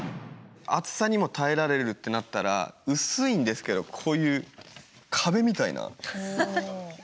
熱さにも耐えられるってなったら薄いんですけどこういう壁みたいな。